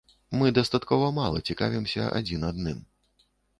Мы дастаткова мала цікавімся адзін адным.